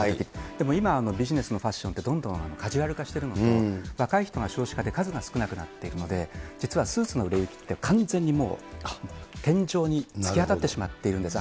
でも今はビジネスのファッションって、どんどんカジュアル化しているのと、若い人が少子化で数が少なくなっているので、実はスーツのって完全にもう天井に突き当たってしまっているんです。